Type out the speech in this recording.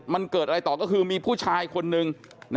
มันเกิดอะไรต่อก็คือมีผู้ชายคนนึง